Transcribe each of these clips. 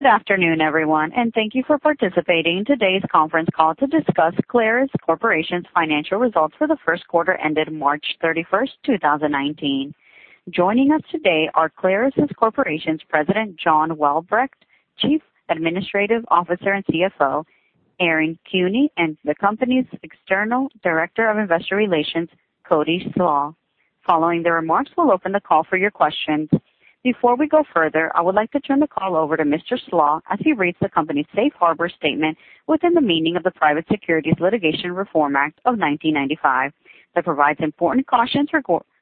Good afternoon, everyone, and thank you for participating in today's conference call to discuss Clarus Corporation's financial results for the first quarter ended March 31st, 2019. Joining us today are Clarus Corporation's President, John Walbrecht, Chief Administrative Officer and CFO, Aaron Kuehne, and the company's External Director of Investor Relations, Cody Slach. Following the remarks, we'll open the call for your questions. Before we go further, I would like to turn the call over to Mr. Slach as he reads the company's safe harbor statement within the meaning of the Private Securities Litigation Reform Act of 1995, that provides important cautions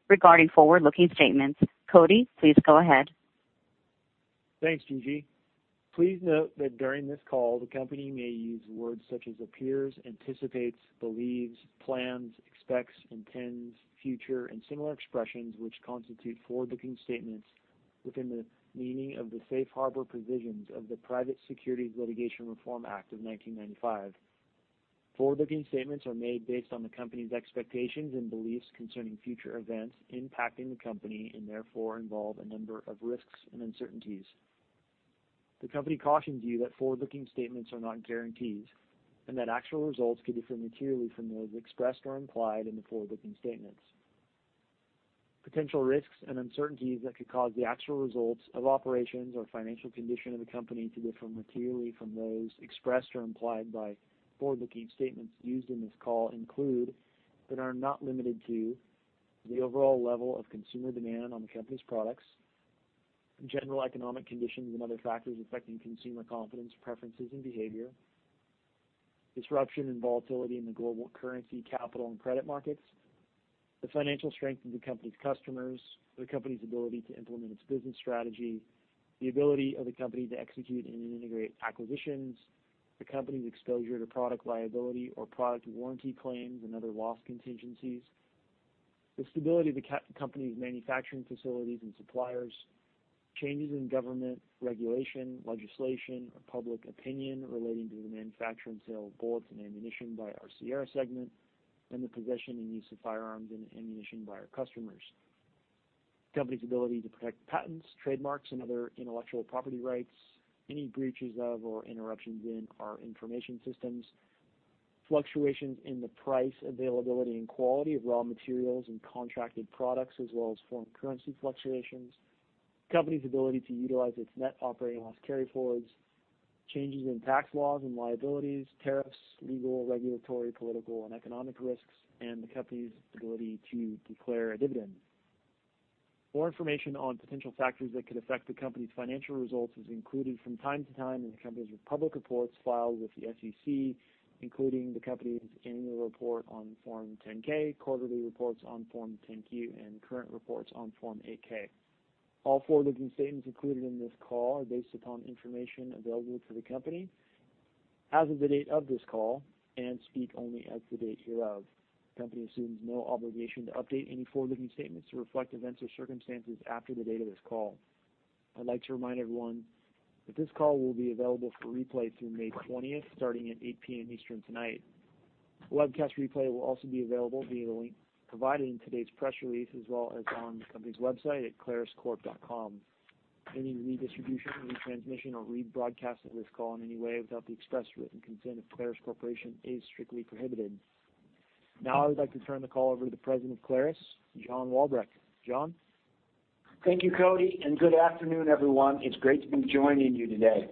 regarding forward-looking statements. Cody, please go ahead. Thanks, Gigi. Please note that during this call, the company may use words such as appears, anticipates, believes, plans, expects, intends, future, and similar expressions which constitute forward-looking statements within the meaning of the safe harbor provisions of the Private Securities Litigation Reform Act of 1995. Forward-looking statements are made based on the company's expectations and beliefs concerning future events impacting the company, and therefore involve a number of risks and uncertainties. The company cautions you that forward-looking statements are not guarantees, and that actual results could differ materially from those expressed or implied in the forward-looking statements. Potential risks and uncertainties that could cause the actual results of operations or financial condition of the company to differ materially from those expressed or implied by forward-looking statements used in this call include, but are not limited to, the overall level of consumer demand on the company's products, general economic conditions and other factors affecting consumer confidence, preferences, and behavior, disruption and volatility in the global currency, capital, and credit markets. The financial strength of the company's customers, the company's ability to implement its business strategy, the ability of the company to execute and integrate acquisitions, the company's exposure to product liability or product warranty claims and other loss contingencies, the stability of the company's manufacturing facilities and suppliers, changes in government regulation, legislation, or public opinion relating to the manufacture and sale of bullets and ammunition by our Sierra segment, and the possession and use of firearms and ammunition by our customers. The company's ability to protect patents, trademarks, and other intellectual property rights, any breaches of or interruptions in our information systems, fluctuations in the price, availability, and quality of raw materials and contracted products, as well as foreign currency fluctuations, the company's ability to utilize its net operating loss carryforwards, changes in tax laws and liabilities, tariffs, legal, regulatory, political, and economic risks, and the company's ability to declare a dividend. More information on potential factors that could affect the company's financial results is included from time to time in the company's public reports filed with the SEC, including the company's annual report on Form 10-K, quarterly reports on Form 10-Q, and current reports on Form 8-K. All forward-looking statements included in this call are based upon information available to the company as of the date of this call and speak only as the date hereof. The company assumes no obligation to update any forward-looking statements to reflect events or circumstances after the date of this call. I'd like to remind everyone that this call will be available for replay through May 20th, starting at 8:00 P.M. Eastern tonight. A webcast replay will also be available via the link provided in today's press release as well as on the company's website at claruscorp.com. Any redistribution, retransmission, or rebroadcast of this call in any way without the express written consent of Clarus Corporation is strictly prohibited. Now I would like to turn the call over to the President of Clarus, John Walbrecht. John? Thank you, Cody, and good afternoon, everyone. It's great to be joining you today.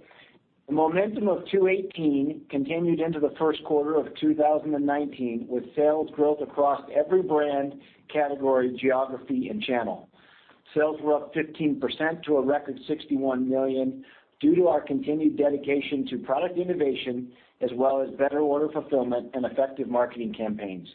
The momentum of 2018 continued into the first quarter of 2019, with sales growth across every brand, category, geography, and channel. Sales were up 15% to a record $61 million due to our continued dedication to product innovation as well as better order fulfillment and effective marketing campaigns.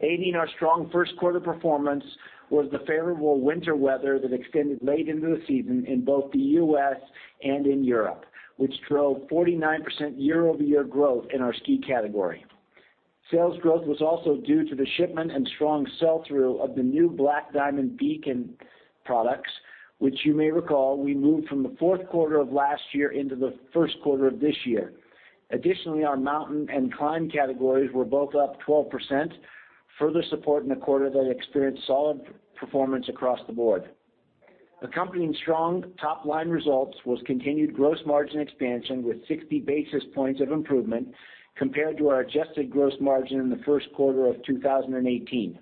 Aiding our strong first quarter performance was the favorable winter weather that extended late into the season in both the U.S. and in Europe, which drove 49% year-over-year growth in our ski category. Sales growth was also due to the shipment and strong sell-through of the new Black Diamond beacon products, which you may recall, we moved from the fourth quarter of last year into the first quarter of this year. Additionally, our mountain and climb categories were both up 12%, further supporting a quarter that experienced solid performance across the board. Accompanying strong top-line results was continued gross margin expansion with 60 basis points of improvement compared to our adjusted gross margin in the first quarter of 2018.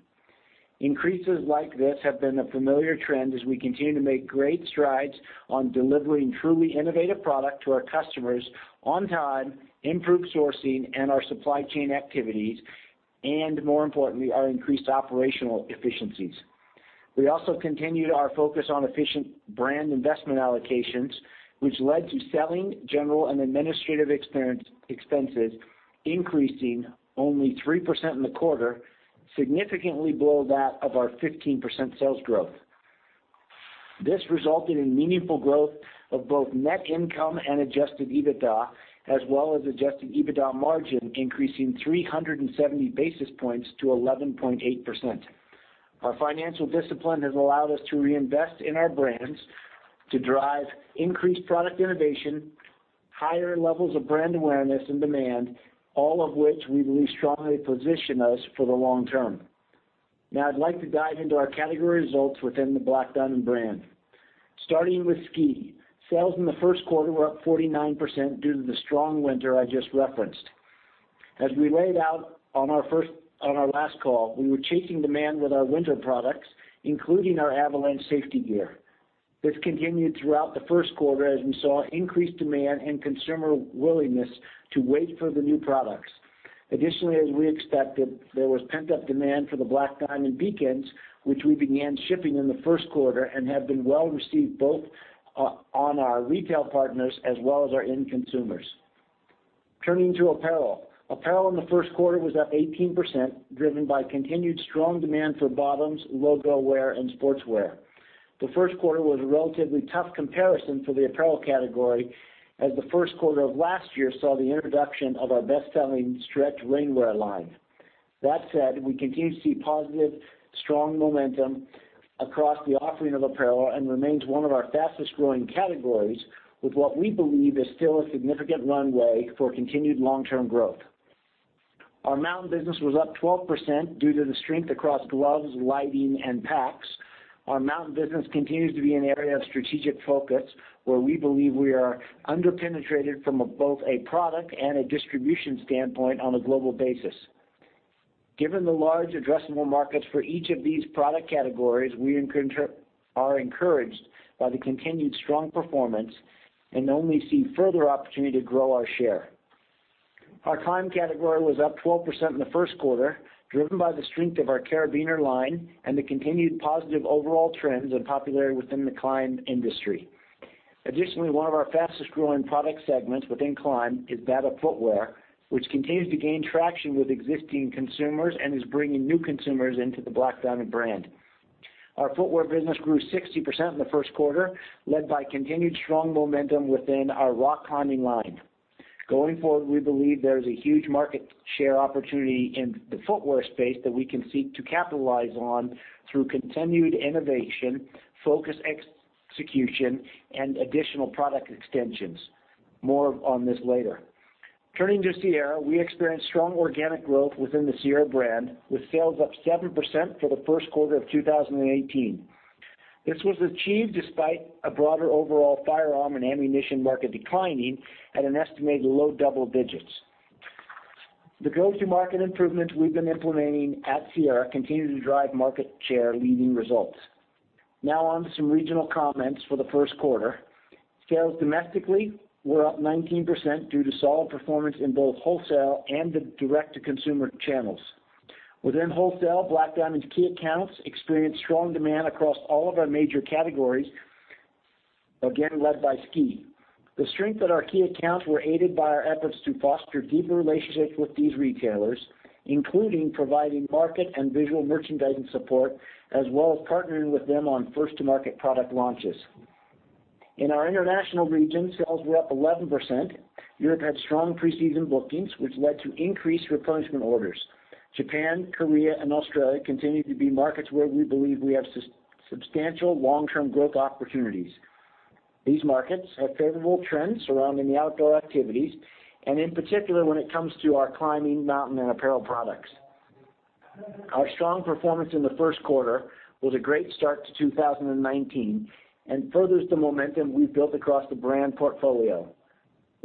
Increases like this have been a familiar trend as we continue to make great strides on delivering truly innovative product to our customers on time, improved sourcing in our supply chain activities, and more importantly, our increased operational efficiencies. We also continued our focus on efficient brand investment allocations, which led to selling, general, and administrative expenses increasing only 3% in the quarter, significantly below that of our 15% sales growth. This resulted in meaningful growth of both net income and adjusted EBITDA, as well as adjusted EBITDA margin increasing 370 basis points to 11.8%. Our financial discipline has allowed us to reinvest in our brands to drive increased product innovation, higher levels of brand awareness and demand, all of which we believe strongly position us for the long term. I'd like to dive into our category results within the Black Diamond brand. Starting with ski. Sales in the first quarter were up 49% due to the strong winter I just referenced. As we laid out on our last call, we were chasing demand with our winter products, including our avalanche safety gear. This continued throughout the first quarter as we saw increased demand and consumer willingness to wait for the new products. Additionally, as we expected, there was pent-up demand for the Black Diamond beacons, which we began shipping in the first quarter and have been well-received both on our retail partners as well as our end consumers. Turning to apparel. Apparel in the first quarter was up 18%, driven by continued strong demand for bottoms, logo wear, and sportswear. The first quarter was a relatively tough comparison for the apparel category, as the first quarter of last year saw the introduction of our best-selling stretch rainwear line. That said, we continue to see positive, strong momentum across the offering of apparel and remains one of our fastest-growing categories with what we believe is still a significant runway for continued long-term growth. Our mountain business was up 12% due to the strength across gloves, lighting, and packs. Our mountain business continues to be an area of strategic focus where we believe we are under-penetrated from both a product and a distribution standpoint on a global basis. Given the large addressable markets for each of these product categories, we are encouraged by the continued strong performance and only see further opportunity to grow our share. Our climb category was up 12% in the first quarter, driven by the strength of our carabiner line and the continued positive overall trends in popularity within the climb industry. Additionally, one of our fastest-growing product segments within climb is BD Footwear, which continues to gain traction with existing consumers and is bringing new consumers into the Black Diamond brand. Our footwear business grew 60% in the first quarter, led by continued strong momentum within our rock climbing line. Going forward, we believe there is a huge market share opportunity in the footwear space that we can seek to capitalize on through continued innovation, focused execution, and additional product extensions. More on this later. Turning to Sierra, we experienced strong organic growth within the Sierra brand, with sales up 7% for the first quarter of 2018. This was achieved despite a broader overall firearm and ammunition market declining at an estimated low double digits. The go-to-market improvements we've been implementing at Sierra continue to drive market share leading results. Now on to some regional comments for the first quarter. Sales domestically were up 19% due to solid performance in both wholesale and the direct-to-consumer channels. Within wholesale, Black Diamond's key accounts experienced strong demand across all of our major categories, again led by ski. The strength at our key accounts were aided by our efforts to foster deeper relationships with these retailers, including providing market and visual merchandising support, as well as partnering with them on first-to-market product launches. In our international region, sales were up 11%. Europe had strong pre-season bookings, which led to increased replenishment orders. Japan, Korea, and Australia continue to be markets where we believe we have substantial long-term growth opportunities. These markets have favorable trends surrounding the outdoor activities, and in particular, when it comes to our climbing, mountain, and apparel products. Our strong performance in the first quarter was a great start to 2019 and furthers the momentum we've built across the brand portfolio.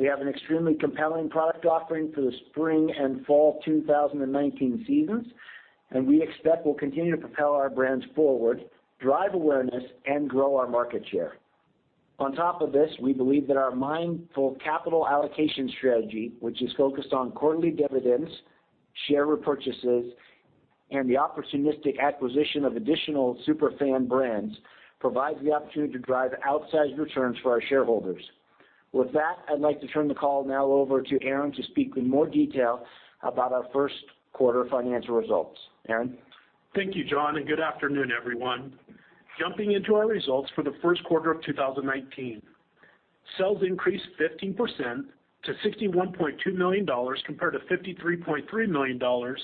We have an extremely compelling product offering for the spring and fall 2019 seasons, and we expect we'll continue to propel our brands forward, drive awareness, and grow our market share. On top of this, we believe that our mindful capital allocation strategy, which is focused on quarterly dividends, share repurchases, and the opportunistic acquisition of additional super fan brands, provides the opportunity to drive outsized returns for our shareholders. With that, I'd like to turn the call now over to Aaron to speak in more detail about our first quarter financial results. Aaron? Thank you, John. Good afternoon, everyone. Jumping into our results for the first quarter of 2019. Sales increased 15% to $61.2 million compared to $53.3 million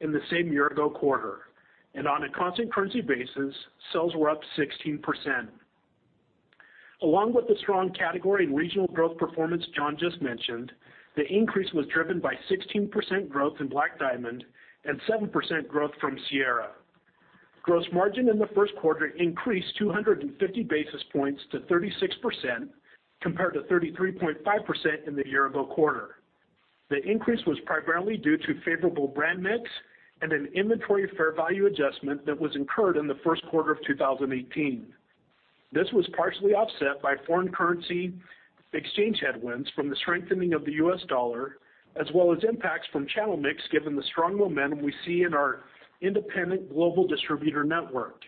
in the same year-ago quarter. On a constant currency basis, sales were up 16%. Along with the strong category and regional growth performance John just mentioned, the increase was driven by 16% growth in Black Diamond and 7% growth from Sierra. Gross margin in the first quarter increased 250 basis points to 36% compared to 33.5% in the year-ago quarter. The increase was primarily due to favorable brand mix and an inventory fair value adjustment that was incurred in the first quarter of 2018. This was partially offset by foreign currency exchange headwinds from the strengthening of the U.S. dollar, as well as impacts from channel mix, given the strong momentum we see in our independent global distributor network.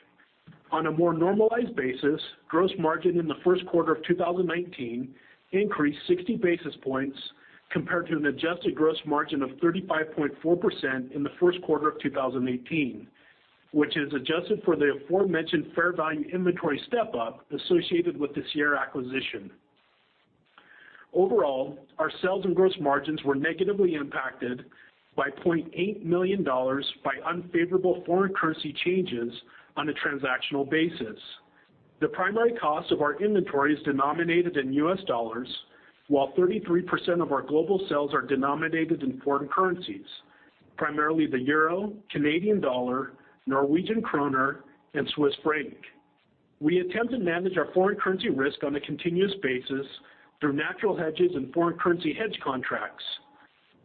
On a more normalized basis, gross margin in the first quarter of 2019 increased 60 basis points compared to an adjusted gross margin of 35.4% in the first quarter of 2018, which is adjusted for the aforementioned fair value inventory step-up associated with the Sierra acquisition. Overall, our sales and gross margins were negatively impacted by $0.8 million by unfavorable foreign currency changes on a transactional basis. The primary cost of our inventory is denominated in U.S. dollars, while 33% of our global sales are denominated in foreign currencies, primarily the euro, Canadian dollar, Norwegian kroner, and Swiss franc. We attempt to manage our foreign currency risk on a continuous basis through natural hedges and foreign currency hedge contracts.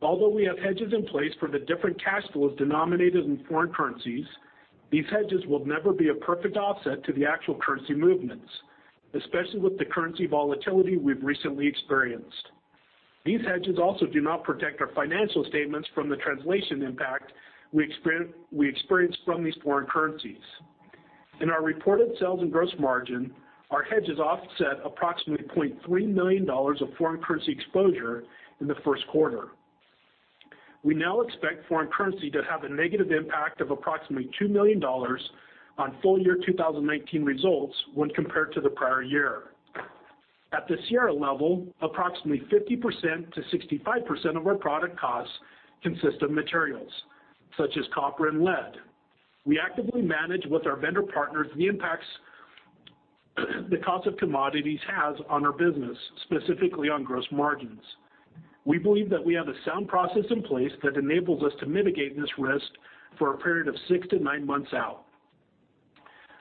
Although we have hedges in place for the different cash flows denominated in foreign currencies, these hedges will never be a perfect offset to the actual currency movements, especially with the currency volatility we've recently experienced. These hedges also do not protect our financial statements from the translation impact we experience from these foreign currencies. In our reported sales and gross margin, our hedges offset approximately $2.3 million of foreign currency exposure in the first quarter. We now expect foreign currency to have a negative impact of approximately $2 million on full-year 2019 results when compared to the prior year. At the Sierra level, approximately 50%-65% of our product costs consist of materials such as copper and lead. We actively manage with our vendor partners the impacts the cost of commodities has on our business, specifically on gross margins. We believe that we have a sound process in place that enables us to mitigate this risk for a period of six to nine months out.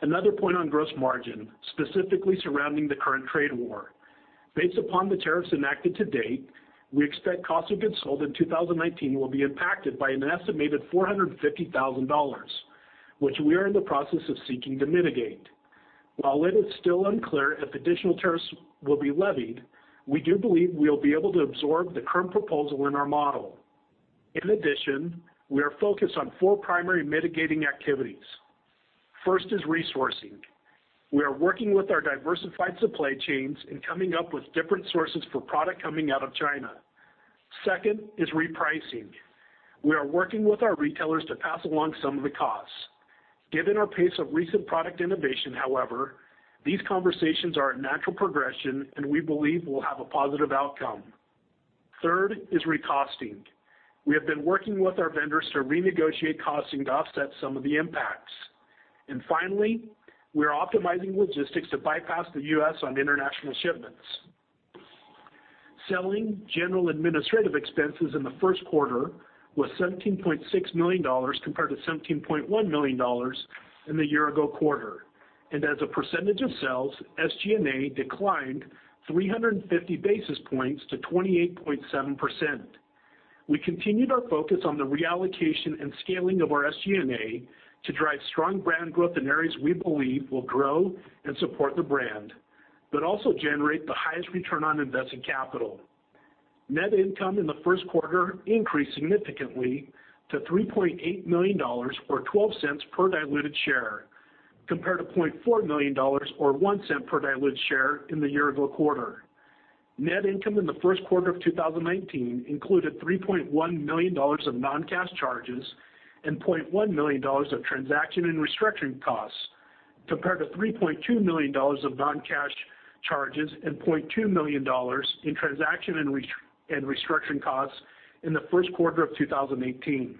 Another point on gross margin, specifically surrounding the current trade war. Based upon the tariffs enacted to date, we expect cost of goods sold in 2019 will be impacted by an estimated $450,000, which we are in the process of seeking to mitigate. While it is still unclear if additional tariffs will be levied, we do believe we will be able to absorb the current proposal in our model. In addition, we are focused on four primary mitigating activities. First is resourcing. We are working with our diversified supply chains and coming up with different sources for product coming out of China. Second is repricing. We are working with our retailers to pass along some of the costs. Given our pace of recent product innovation, however, these conversations are a natural progression, and we believe will have a positive outcome. Third is recosting. We have been working with our vendors to renegotiate costing to offset some of the impacts. Finally, we are optimizing logistics to bypass the U.S. on international shipments. Selling general administrative expenses in the first quarter was $17.6 million compared to $17.1 million in the year-ago quarter. As a percentage of sales, SG&A declined 350 basis points to 28.7%. We continued our focus on the reallocation and scaling of our SG&A to drive strong brand growth in areas we believe will grow and support the brand, but also generate the highest return on invested capital. Net income in the first quarter increased significantly to $3.8 million, or $0.12 per diluted share, compared to $0.4 million, or $0.10 per diluted share in the year-ago quarter. Net income in the first quarter of 2019 included $3.1 million of non-cash charges and $0.1 million of transaction and restructuring costs, compared to $3.2 million of non-cash charges and $0.2 million in transaction and restructuring costs in the first quarter of 2018.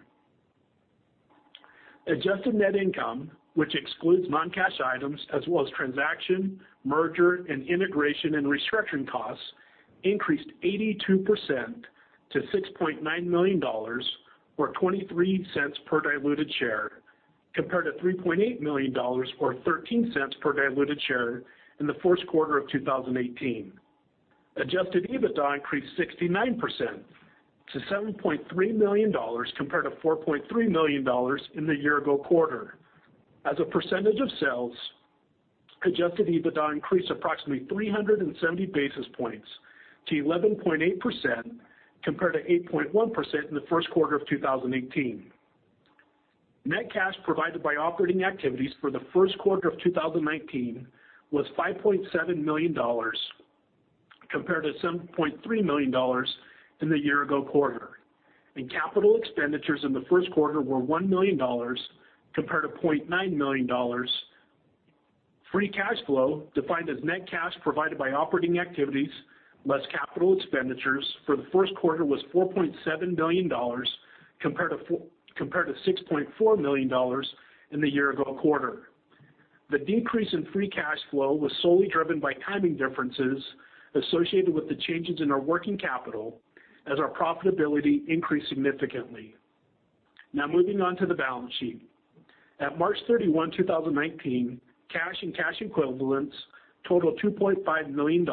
Adjusted net income, which excludes non-cash items as well as transaction, merger, and integration and restructuring costs, increased 82% to $6.9 million, or $0.23 per diluted share, compared to $3.8 million or $0.13 per diluted share in the first quarter of 2018. Adjusted EBITDA increased 69% to $7.3 million, compared to $4.3 million in the year-ago quarter. As a percentage of sales, adjusted EBITDA increased approximately 370 basis points to 11.8%, compared to 8.1% in the first quarter of 2018. Net cash provided by operating activities for the first quarter of 2019 was $5.7 million, compared to $7.3 million in the year-ago quarter. Capital expenditures in the first quarter were $1 million, compared to $0.9 million. Free cash flow, defined as net cash provided by operating activities less capital expenditures for the first quarter was $4.7 million compared to $6.4 million in the year-ago quarter. The decrease in free cash flow was solely driven by timing differences associated with the changes in our working capital as our profitability increased significantly. Now moving on to the balance sheet. At March 31, 2019, cash and cash equivalents totaled $2.5 million,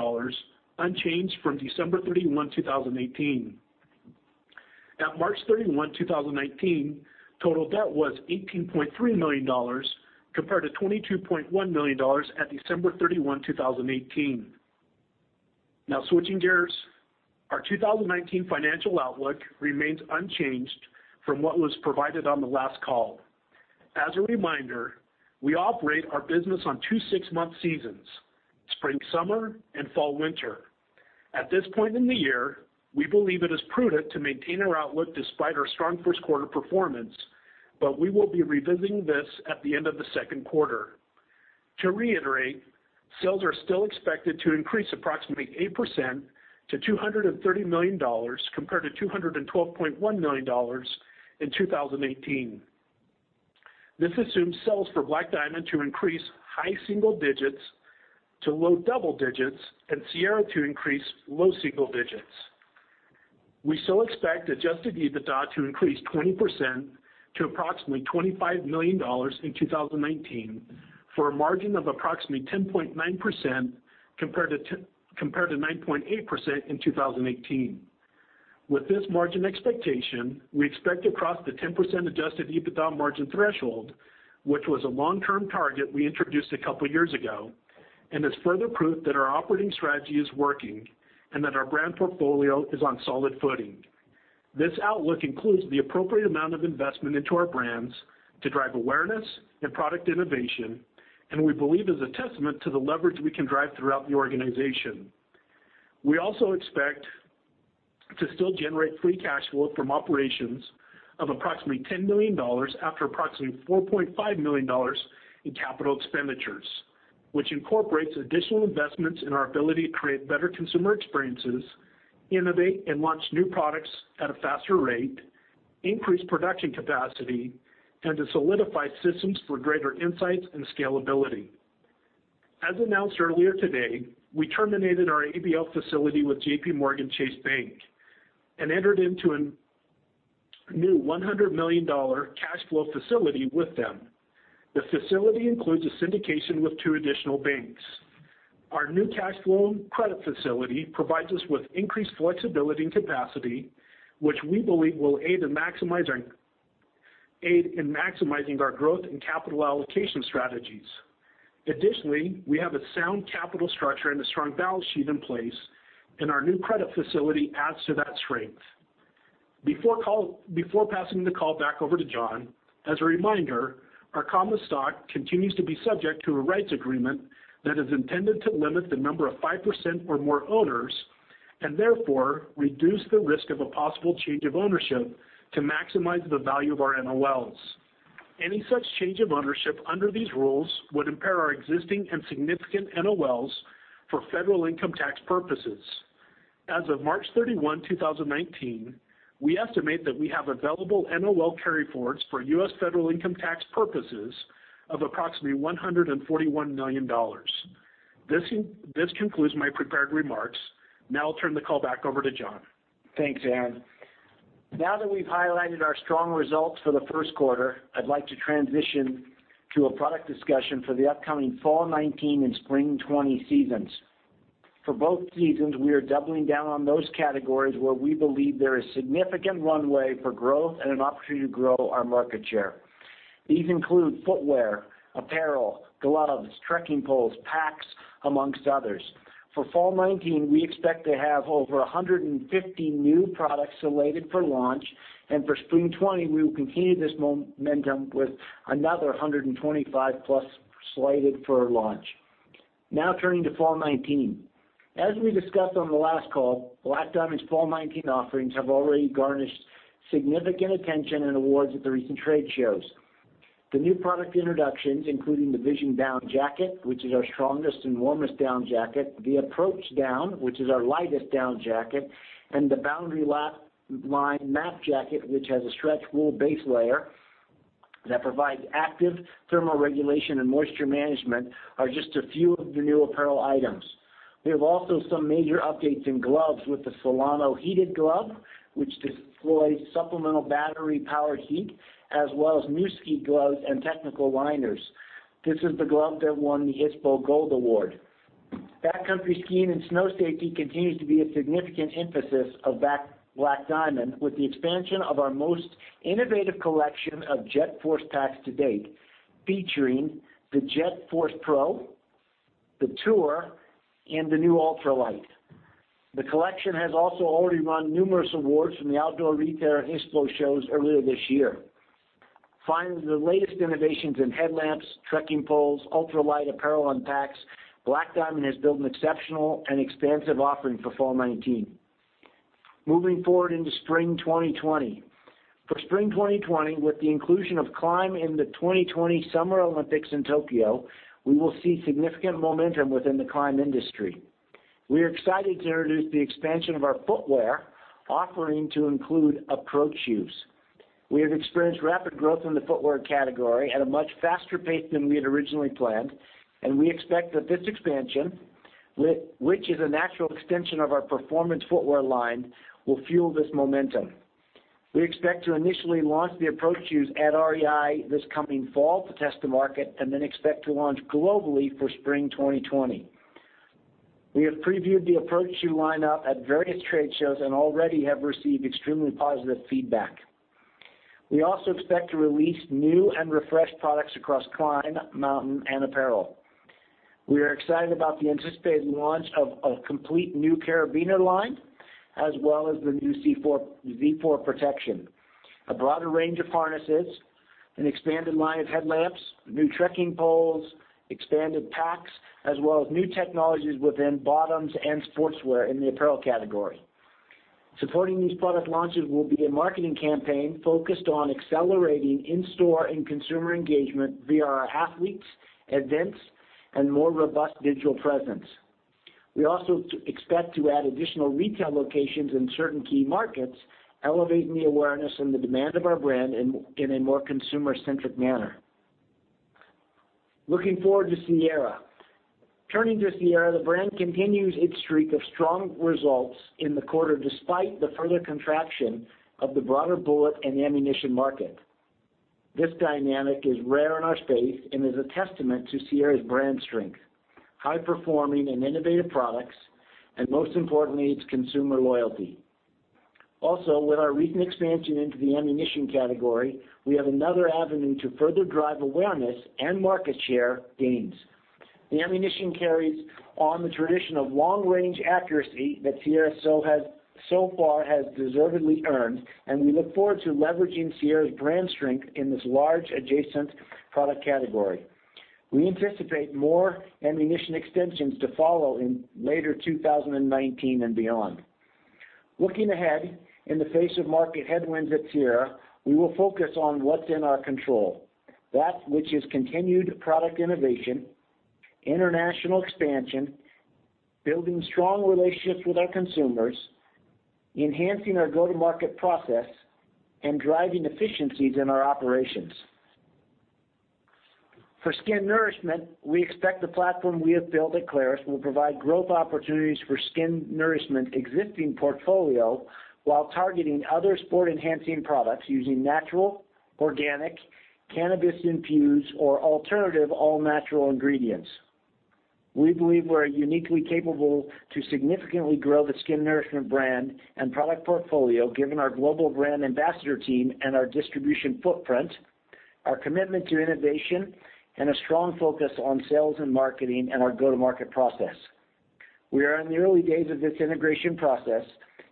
unchanged from December 31, 2018. At March 31, 2019, total debt was $18.3 million, compared to $22.1 million at December 31, 2018. Switching gears, our 2019 financial outlook remains unchanged from what was provided on the last call. As a reminder, we operate our business on two six-month seasons, spring-summer and fall-winter. At this point in the year, we believe it is prudent to maintain our outlook despite our strong first quarter performance, but we will be revisiting this at the end of the second quarter. To reiterate, sales are still expected to increase approximately 8% to $230 million compared to $212.1 million in 2018. This assumes sales for Black Diamond to increase high single digits to low double digits and Sierra to increase low single digits. We still expect adjusted EBITDA to increase 20% to approximately $25 million in 2019 for a margin of approximately 10.9% compared to 9.8% in 2018. With this margin expectation, we expect to cross the 10% adjusted EBITDA margin threshold, which was a long-term target we introduced a couple of years ago, and is further proof that our operating strategy is working and that our brand portfolio is on solid footing. This outlook includes the appropriate amount of investment into our brands to drive awareness and product innovation, and we believe is a testament to the leverage we can drive throughout the organization. We also expect to still generate free cash flow from operations of approximately $10 million after approximately $4.5 million in capital expenditures, which incorporates additional investments in our ability to create better consumer experiences, innovate and launch new products at a faster rate, increase production capacity, and to solidify systems for greater insights and scalability. As announced earlier today, we terminated our ABL facility with JPMorgan Chase Bank and entered into a new $100 million cash flow facility with them. The facility includes a syndication with two additional banks. Our new cash flow credit facility provides us with increased flexibility and capacity, which we believe will aid in maximizing our growth and capital allocation strategies. Additionally, we have a sound capital structure and a strong balance sheet in place, and our new credit facility adds to that strength. Before passing the call back over to John, as a reminder, our common stock continues to be subject to a rights agreement that is intended to limit the number of 5% or more owners, and therefore reduce the risk of a possible change of ownership to maximize the value of our NOLs. Any such change of ownership under these rules would impair our existing and significant NOLs for federal income tax purposes. As of March 31, 2019, we estimate that we have available NOL carryforwards for U.S. federal income tax purposes of approximately $141 million. This concludes my prepared remarks. I'll turn the call back over to John. Thanks, Aaron. Now that we've highlighted our strong results for the first quarter, I'd like to transition to a product discussion for the upcoming fall 2019 and spring 2020 seasons. For both seasons, we are doubling down on those categories where we believe there is significant runway for growth and an opportunity to grow our market share. These include footwear, apparel, gloves, trekking poles, packs, amongst others. For fall 2019, we expect to have over 150 new products slated for launch, and for spring 2020, we will continue this momentum with another 125+ slated for launch. Turning to fall 2019. As we discussed on the last call, Black Diamond's fall 2019 offerings have already garnered significant attention and awards at the recent trade shows. The new product introductions, including the Vision Down Parka, which is our strongest and warmest down jacket, the Approach Down, which is our lightest down jacket, and the Boundary Line Mapped Jacket, which has a stretch wool base layer that provides active thermal regulation and moisture management, are just a few of the new apparel items. We have also some major updates in gloves with the Solano Heated Glove, which deploys supplemental battery-powered heat, as well as new ski gloves and technical liners. This is the glove that won the ISPO Gold Award. Backcountry skiing and snow safety continues to be a significant emphasis of Black Diamond, with the expansion of our most innovative collection of JetForce packs to date, featuring the JetForce Pro, the Tour, and the new Ultra Light. The collection has also already won numerous awards from the Outdoor Retailer and ISPO shows earlier this year. Finally, the latest innovations in headlamps, trekking poles, ultralight apparel, and packs, Black Diamond has built an exceptional and expansive offering for fall 2019. Moving forward into spring 2020. For spring 2020, with the inclusion of climb in the 2020 Summer Olympics in Tokyo, we will see significant momentum within the climb industry. We are excited to introduce the expansion of our footwear offering to include approach shoes. We have experienced rapid growth in the footwear category at a much faster pace than we had originally planned, and we expect that this expansion, which is a natural extension of our performance footwear line, will fuel this momentum. We expect to initially launch the approach shoes at REI this coming fall to test the market, and then expect to launch globally for spring 2020. We have previewed the approach shoe lineup at various trade shows and already have received extremely positive feedback. We also expect to release new and refreshed products across climb, mountain, and apparel. We are excited about the anticipated launch of a complete new carabiner line, as well as the new Z4 Protection, a broader range of harnesses, an expanded line of headlamps, new trekking poles, expanded packs, as well as new technologies within bottoms and sportswear in the apparel category. Supporting these product launches will be a marketing campaign focused on accelerating in-store and consumer engagement via our athletes, events, and more robust digital presence. We also expect to add additional retail locations in certain key markets, elevating the awareness and the demand of our brand in a more consumer-centric manner. Looking forward to Sierra. Turning to Sierra, the brand continues its streak of strong results in the quarter, despite the further contraction of the broader bullet and ammunition market. This dynamic is rare in our space and is a testament to Sierra's brand strength, high-performing and innovative products, and most importantly, its consumer loyalty. Also, with our recent expansion into the ammunition category, we have another avenue to further drive awareness and market share gains. The ammunition carries on the tradition of long-range accuracy that Sierra so far has deservedly earned, and we look forward to leveraging Sierra's brand strength in this large adjacent product category. We anticipate more ammunition extensions to follow in later 2019 and beyond. Looking ahead, in the face of market headwinds at Sierra, we will focus on what's in our control. That which is continued product innovation, international expansion, building strong relationships with our consumers, enhancing our go-to-market process, and driving efficiencies in our operations. For SKINourishment, we expect the platform we have built at Clarus will provide growth opportunities for SKINourishment existing portfolio while targeting other sport-enhancing products using natural, organic, cannabis-infused or alternative all-natural ingredients. We believe we're uniquely capable to significantly grow the SKINourishment brand and product portfolio, given our global brand ambassador team and our distribution footprint, our commitment to innovation, and a strong focus on sales and marketing and our go-to-market process. We are in the early days of this integration process,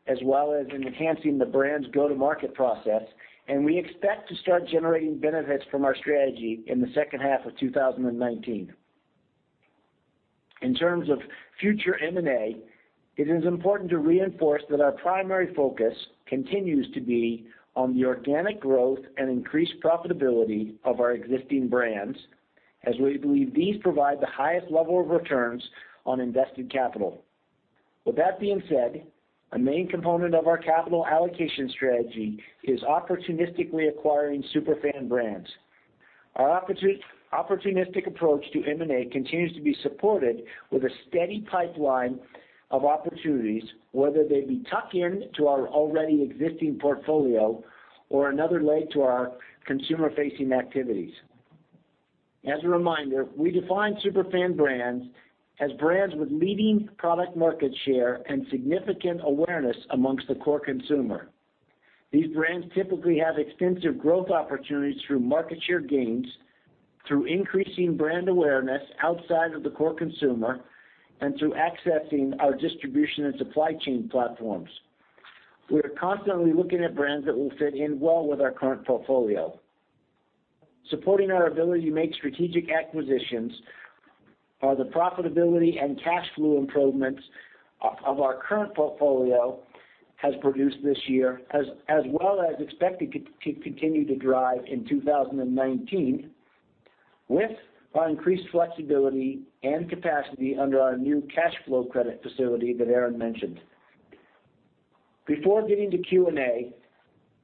as well as in enhancing the brand's go-to-market process, and we expect to start generating benefits from our strategy in the second half of 2019. In terms of future M&A, it is important to reinforce that our primary focus continues to be on the organic growth and increased profitability of our existing brands, as we believe these provide the highest level of returns on invested capital. With that being said, a main component of our capital allocation strategy is opportunistically acquiring super fan brands. Our opportunistic approach to M&A continues to be supported with a steady pipeline of opportunities, whether they be tuck-in to our already existing portfolio or another leg to our consumer-facing activities. As a reminder, we define super fan brands as brands with leading product market share and significant awareness amongst the core consumer. These brands typically have extensive growth opportunities through market share gains, through increasing brand awareness outside of the core consumer, and through accessing our distribution and supply chain platforms. We are constantly looking at brands that will fit in well with our current portfolio. Supporting our ability to make strategic acquisitions are the profitability and cash flow improvements of our current portfolio has produced this year, as well as expected to continue to drive in 2019 with our increased flexibility and capacity under our new cash flow credit facility that Aaron mentioned. Before getting to Q&A,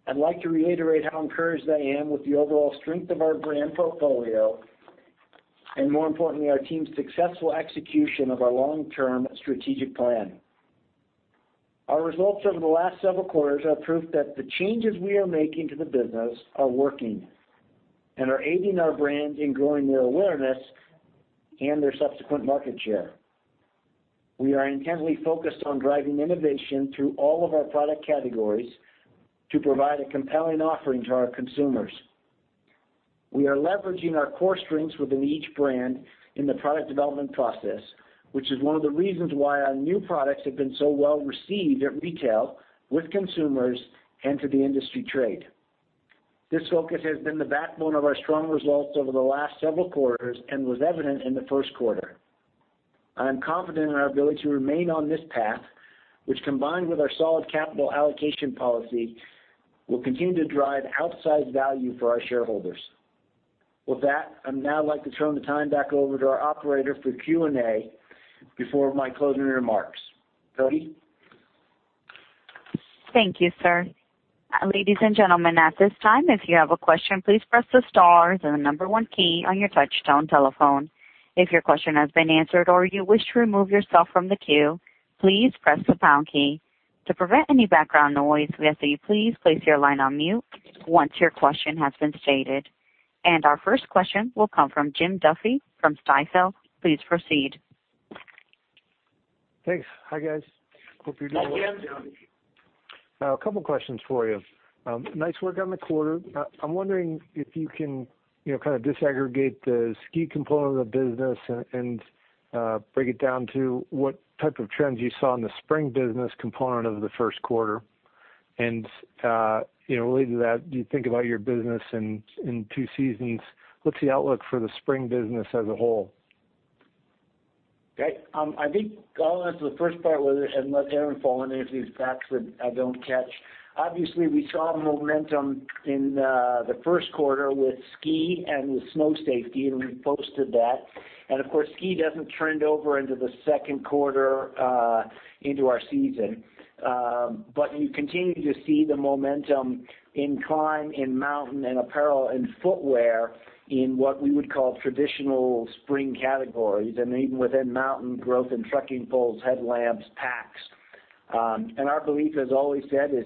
I'd like to reiterate how encouraged I am with the overall strength of our brand portfolio and, more importantly, our team's successful execution of our long-term strategic plan. Our results over the last several quarters are proof that the changes we are making to the business are working and are aiding our brands in growing their awareness and their subsequent market share. We are intently focused on driving innovation through all of our product categories to provide a compelling offering to our consumers. We are leveraging our core strengths within each brand in the product development process, which is one of the reasons why our new products have been so well-received at retail with consumers and to the industry trade. This focus has been the backbone of our strong results over the last several quarters and was evident in the first quarter. I am confident in our ability to remain on this path, which, combined with our solid capital allocation policy, will continue to drive outsized value for our shareholders. With that, I'd now like to turn the time back over to our operator for Q&A before my closing remarks. Cody? Thank you, sir. Ladies and gentlemen, at this time, if you have a question, please press the star then the number one key on your touch-tone telephone. If your question has been answered or you wish to remove yourself from the queue, please press the pound key. To prevent any background noise, we ask that you please place your line on mute once your question has been stated. Our first question will come from Jim Duffy from Stifel. Please proceed. Thanks. Hi, guys. Hope you're doing well. Hi, Jim. A couple questions for you. Nice work on the quarter. I'm wondering if you can disaggregate the ski component of the business and break it down to what type of trends you saw in the spring business component of the first quarter. Related to that, you think about your business in two seasons, what's the outlook for the spring business as a whole? Great. I think, going on to the first part, whether I had let Aaron fall on any of these facts that I don't catch. Obviously, we saw momentum in the first quarter with ski and with snow safety, and we posted that. Of course, ski doesn't trend over into the second quarter into our season. You continue to see the momentum in climb, in mountain, and apparel, and footwear, in what we would call traditional spring categories, and even within mountain growth in trekking poles, headlamps, packs. Our belief, as always said, is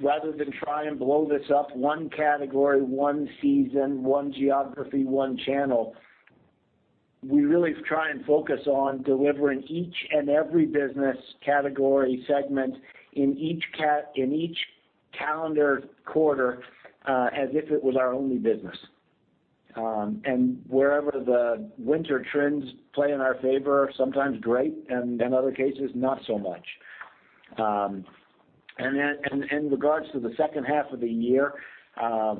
rather than try and blow this up one category, one season, one geography, one channel, we really try and focus on delivering each and every business category segment in each calendar quarter, as if it was our only business. Wherever the winter trends play in our favor, sometimes great, and in other cases, not so much. In regards to the second half of the year,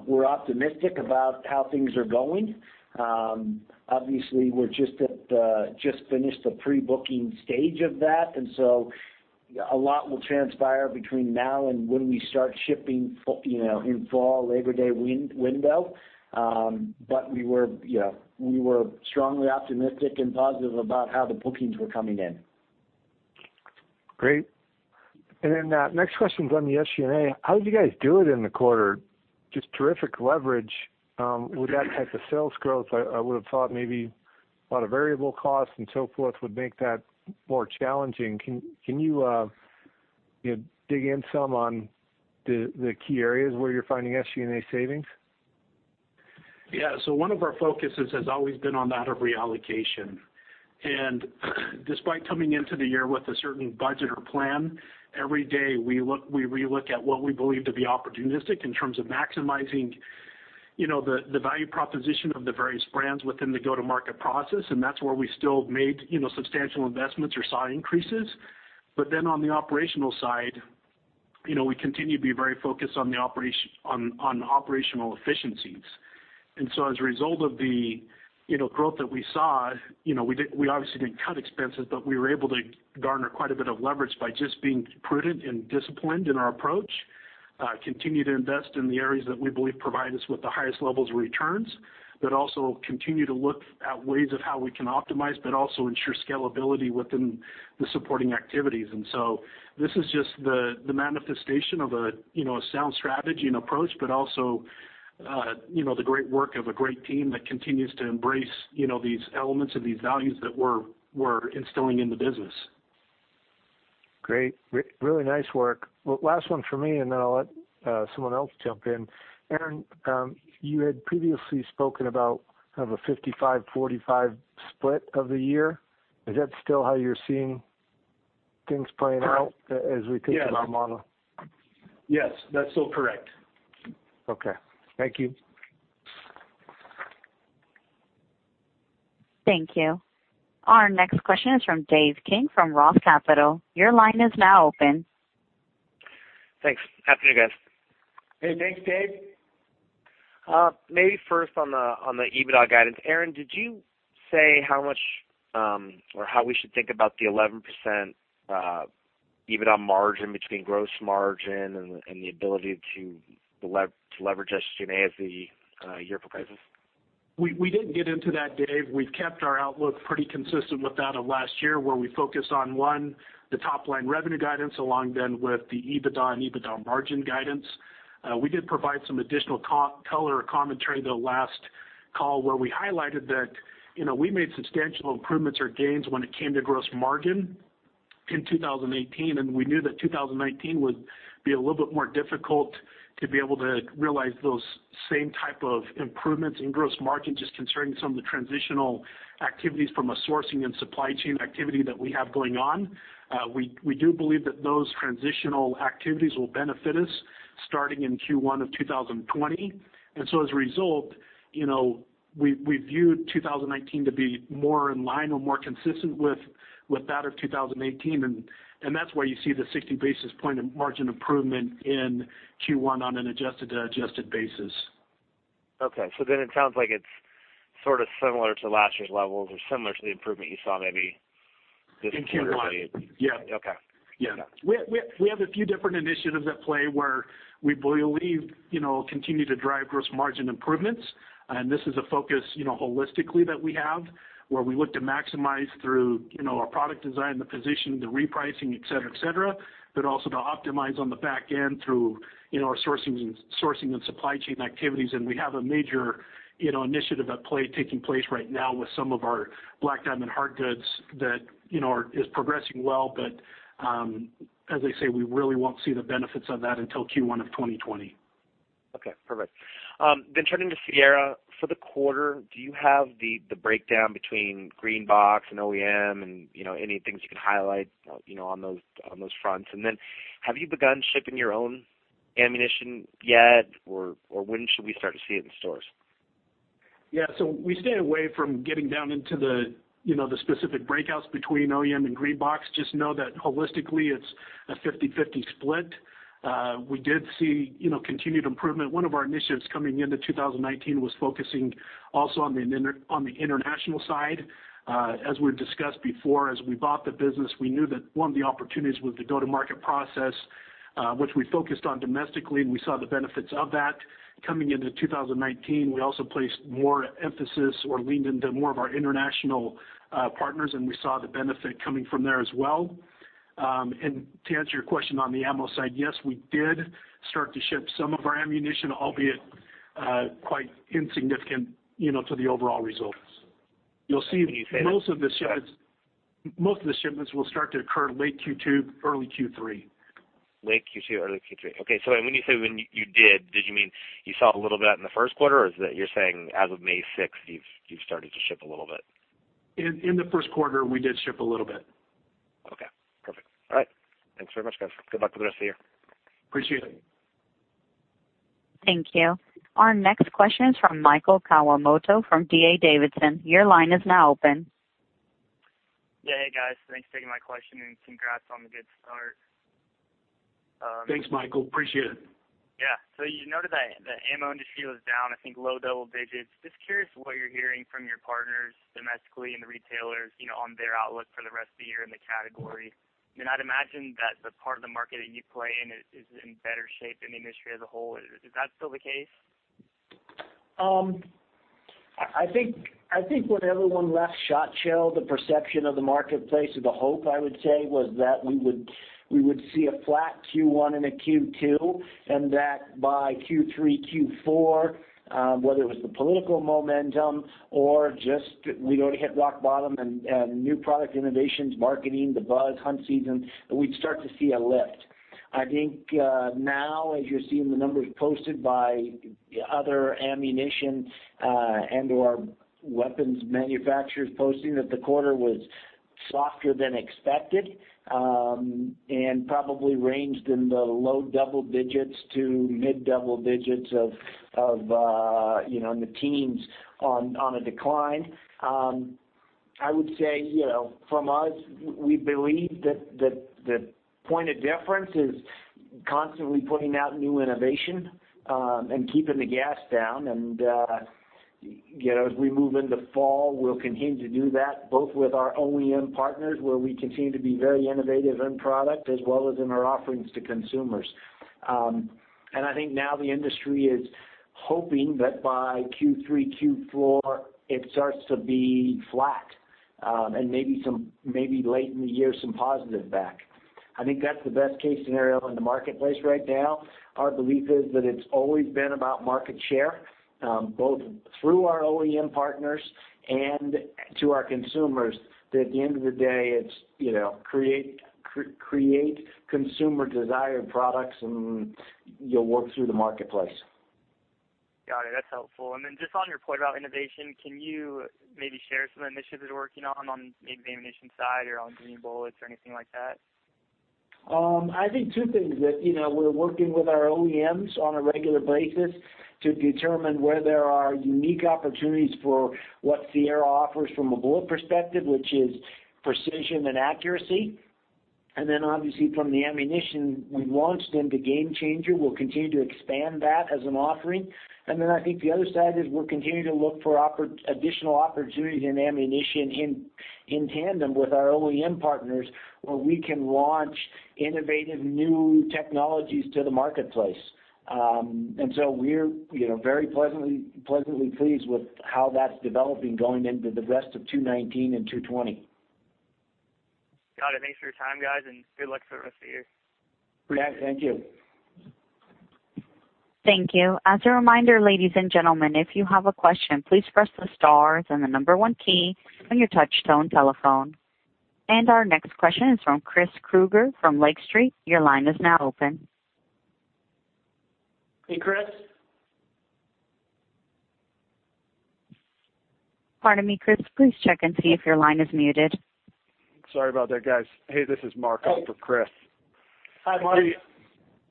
we're optimistic about how things are going. Obviously, we're just finished the pre-booking stage of that, and so a lot will transpire between now and when we start shipping in fall, Labor Day window. We were strongly optimistic and positive about how the bookings were coming in. Great. Next question's on the SG&A. How did you guys do it in the quarter? Just terrific leverage. With that type of sales growth, I would've thought maybe a lot of variable costs and so forth would make that more challenging. Can you dig in some on the key areas where you're finding SG&A savings? One of our focuses has always been on that of reallocation. Despite coming into the year with a certain budget or plan, every day, we relook at what we believe to be opportunistic in terms of maximizing the value proposition of the various brands within the go-to-market process. That's where we still made substantial investments or saw increases. On the operational side, we continue to be very focused on operational efficiencies. As a result of the growth that we saw, we obviously didn't cut expenses, but we were able to garner quite a bit of leverage by just being prudent and disciplined in our approach, continue to invest in the areas that we believe provide us with the highest levels of returns, but also continue to look at ways of how we can optimize but also ensure scalability within the supporting activities. This is just the manifestation of a sound strategy and approach, but also the great work of a great team that continues to embrace these elements and these values that we're instilling in the business. Great. Really nice work. Last one from me, and then I'll let someone else jump in. Aaron, you had previously spoken about kind of a 55/45 split of the year. Is that still how you're seeing things playing out- Yes. As we think about model? Yes, that's still correct. Okay. Thank you. Thank you. Our next question is from Dave King from ROTH Capital. Your line is now open. Thanks. Afternoon, guys. Hey, thanks, Dave. First on the EBITDA guidance. Aaron, did you say how much or how we should think about the 11% EBITDA margin between gross margin and the ability to leverage SG&A as the year progresses? We didn't get into that, Dave. We've kept our outlook pretty consistent with that of last year, where we focus on, one, the top-line revenue guidance, along then with the EBITDA and EBITDA margin guidance. We did provide some additional color or commentary the last call where we highlighted that we made substantial improvements or gains when it came to gross margin in 2018, and we knew that 2019 would be a little bit more difficult to be able to realize those same type of improvements in gross margin, just considering some of the transitional activities from a sourcing and supply chain activity that we have going on. We do believe that those transitional activities will benefit us starting in Q1 of 2020. As a result, we viewed 2019 to be more in line or more consistent with that of 2018, and that's why you see the 60 basis point of margin improvement in Q1 on an adjusted-to-adjusted basis. Okay. It sounds like it's sort of similar to last year's levels or similar to the improvement you saw maybe this quarter. In Q1. Yeah. Okay. Yeah. We have a few different initiatives at play where we believe continue to drive gross margin improvements. This is a focus holistically that we have, where we look to maximize through our product design, the position, the repricing, et cetera, but also to optimize on the back end through our sourcing and supply chain activities. We have a major initiative at play taking place right now with some of our Black Diamond hard goods that is progressing well, but as I say, we really won't see the benefits of that until Q1 of 2020. Okay, perfect. Turning to Sierra. For the quarter, do you have the breakdown between green box and OEM and any things you can highlight on those fronts? Have you begun shipping your own ammunition yet, or when should we start to see it in stores? Yeah. We stay away from getting down into the specific breakouts between OEM and green box. Just know that holistically it's a 50/50 split. We did see continued improvement. One of our initiatives coming into 2019 was focusing also on the international side. As we discussed before, as we bought the business, we knew that one of the opportunities with the go-to-market process. Which we focused on domestically, and we saw the benefits of that. Coming into 2019, we also placed more emphasis or leaned into more of our international partners, and we saw the benefit coming from there as well. To answer your question on the ammo side, yes, we did start to ship some of our ammunition, albeit quite insignificant to the overall results. You'll see most of the shipments will start to occur late Q2, early Q3. Late Q2, early Q3. Okay. When you say when you did you mean you saw a little bit in the first quarter, or you're saying as of May 6th, you've started to ship a little bit? In the first quarter, we did ship a little bit. Okay, perfect. All right. Thanks very much, guys. Good luck with the rest of the year. Appreciate it. Thank you. Our next question is from Michael Kawamoto from D.A. Davidson. Your line is now open. Yeah. Hey, guys. Thanks for taking my question, and congrats on the good start. Thanks, Michael. Appreciate it. Yeah. You noted that the ammo industry was down, I think, low double digits. Just curious what you're hearing from your partners domestically and the retailers, on their outlook for the rest of the year in the category. I'd imagine that the part of the market that you play in is in better shape than the industry as a whole. Is that still the case? I think when everyone left SHOT Show, the perception of the marketplace or the hope, I would say, was that we would see a flat Q1 and a Q2, and that by Q3, Q4, whether it was the political momentum or just we'd already hit rock bottom and new product innovations, marketing, the buzz, hunt season, that we'd start to see a lift. I think now, as you're seeing the numbers posted by other ammunition, and/or weapons manufacturers posting that the quarter was softer than expected, and probably ranged in the low double digits to mid double digits of the teens on a decline. I would say, from us, we believe that the point of difference is constantly putting out new innovation, and keeping the gas down. As we move into fall, we'll continue to do that, both with our OEM partners, where we continue to be very innovative in product, as well as in our offerings to consumers. I think now the industry is hoping that by Q3, Q4, it starts to be flat, and maybe late in the year, some positive back. I think that's the best-case scenario in the marketplace right now. Our belief is that it's always been about market share, both through our OEM partners and to our consumers, that at the end of the day it's create consumer-desired products, and you'll work through the marketplace. Got it. That's helpful. Just on your point about innovation, can you maybe share some of the initiatives you're working on maybe ammunition side or on Sierra Bullets or anything like that? I think two things that we're working with our OEMs on a regular basis to determine where there are unique opportunities for what Sierra offers from a bullet perspective, which is precision and accuracy. Then obviously from the ammunition we launched into GameChanger, we'll continue to expand that as an offering. Then I think the other side is we'll continue to look for additional opportunities in ammunition in tandem with our OEM partners, where we can launch innovative new technologies to the marketplace. We're very pleasantly pleased with how that's developing going into the rest of 2019 and 2020. Got it. Thanks for your time, guys, and good luck for the rest of the year. Yeah, thank you. Thank you. As a reminder, ladies and gentlemen, if you have a question, please press the star then the number one key on your touch-tone telephone. And our next question is from Chris Krueger from Lake Street. Your line is now open. Hey, Chris. Pardon me, Chris. Please check and see if your line is muted. Sorry about that, guys. Hey, this is Mark on for Chris. Hi, Mark.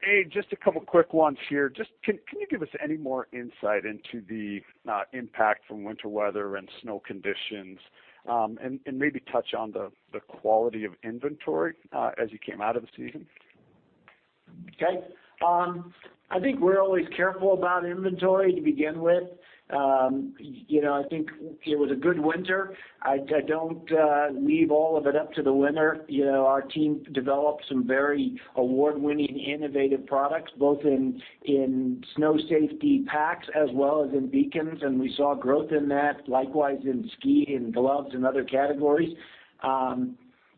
Hey, just a couple of quick ones here. Can you give us any more insight into the impact from winter weather and snow conditions? Maybe touch on the quality of inventory as you came out of the season. Okay. I think we're always careful about inventory to begin with. I think it was a good winter. I don't leave all of it up to the winter. Our team developed some very award-winning innovative products, both in snow safety packs as well as in beacons, and we saw growth in that, likewise in ski and gloves and other categories.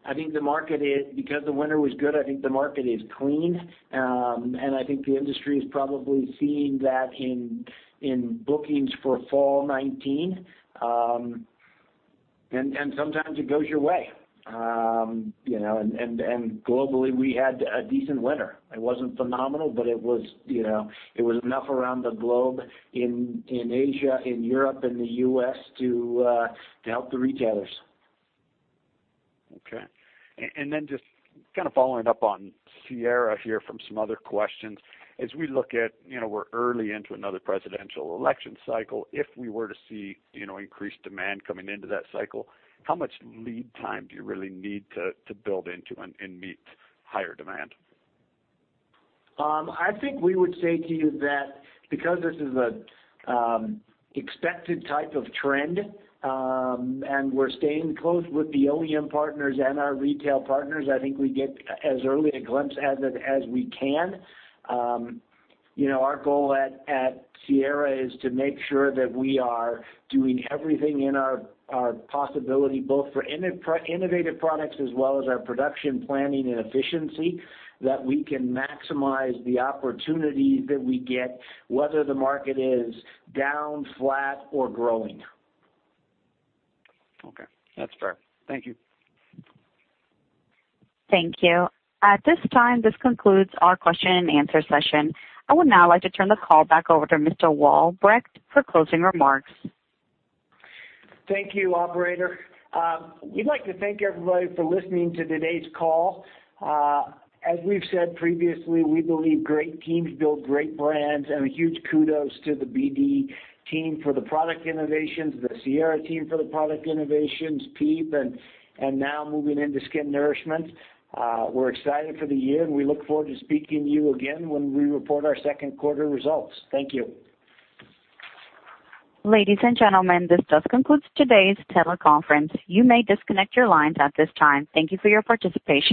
Because the winter was good, I think the market is clean. I think the industry is probably seeing that in bookings for Fall 2019. Sometimes it goes your way. Globally, we had a decent winter. It wasn't phenomenal, but it was enough around the globe in Asia, in Europe, and the U.S. to help the retailers. Okay. Just kind of following up on Sierra here from some other questions. As we look at, we're early into another presidential election cycle. If we were to see increased demand coming into that cycle, how much lead time do you really need to build into and meet higher demand? I think we would say to you that because this is an expected type of trend, and we're staying close with the OEM partners and our retail partners, I think we get as early a glimpse at it as we can. Our goal at Sierra is to make sure that we are doing everything in our possibility, both for innovative products as well as our production planning and efficiency, that we can maximize the opportunity that we get, whether the market is down, flat, or growing. Okay. That's fair. Thank you. Thank you. At this time, this concludes our question and answer session. I would now like to turn the call back over to Mr. Walbrecht for closing remarks. Thank you, operator. We'd like to thank everybody for listening to today's call. As we've said previously, we believe great teams build great brands, and a huge kudos to the BD team for the product innovations, the Sierra team for the product innovations, PIEPS, and now moving into SKINourishment. We're excited for the year, and we look forward to speaking to you again when we report our second quarter results. Thank you. Ladies and gentlemen, this does conclude today's teleconference. You may disconnect your lines at this time. Thank you for your participation.